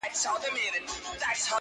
ته چي دومره یې هوښیار نو به وزیر یې٫